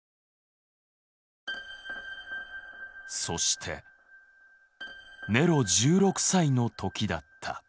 そしてネロ１６歳の時だった。